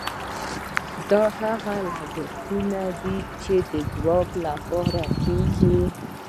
دا هغه لګښتونه دي چې د ځواک لپاره کیږي.